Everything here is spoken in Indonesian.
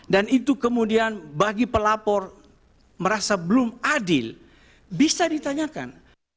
dan itu kemudian bagi pelapor merasa belum adil bisa ditanyakan